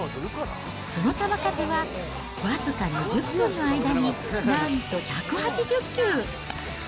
その球数は僅か２０分の間になんと１８０球。